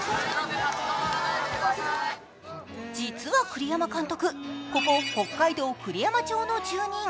実は栗山監督、ここ、北海道栗山町の住人。